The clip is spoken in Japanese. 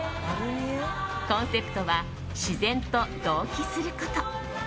コンセプトは自然と同期すること。